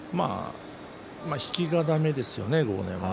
引きがだめですよね、豪ノ山は。